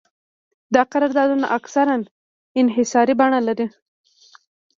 دا قراردادونه اکثراً انحصاري بڼه لري